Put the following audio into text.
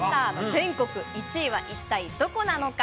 全国１位は一体どこなのか。